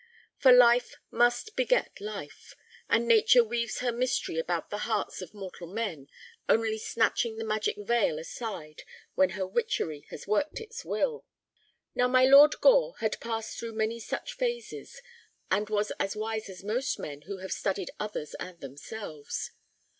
For life must beget life, and Nature weaves her mystery about the hearts of mortal men, only snatching the magic veil aside when her witchery has worked its will. Now my Lord Gore had passed through many such phases, and was as wise as most men who have studied others and themselves.